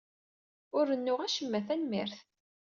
Ur rennuɣ acemma, tanemmirt.